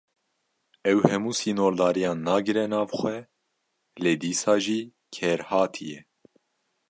Ew hemû sînordariyan nagire nav xwe, lê dîsa jî kêrhatî ye.